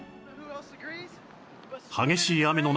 激しい雨の中